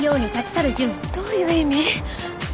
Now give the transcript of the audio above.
どういう意味？